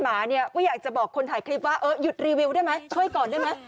ถ้าทีมันถ่ายคลิปว่าเออหยุดรีวิวได้ไหมช่วยก่อนได้ไหม